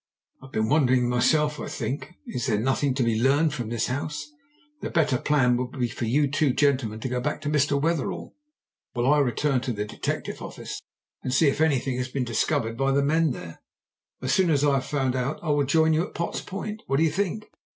"I have been wondering myself. I think, as there is nothing to be learned from this house, the better plan would be for you two gentlemen to go back to Mr. Wetherell, while I return to the detective office and see if anything has been discovered by the men there. As soon as I have found out I will join you at Potts Point. What do you think?"